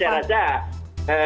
kalau kalian saya rasa